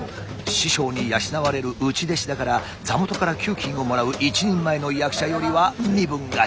師匠に養われる内弟子だから座元から給金をもらう一人前の役者よりは身分が下になります。